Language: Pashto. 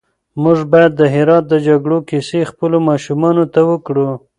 موږ بايد د هرات د جګړو کيسې خپلو ماشومانو ته وکړو.